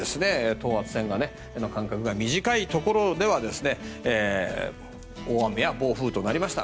等圧線の間隔が短いところでは大雨や暴風となりました。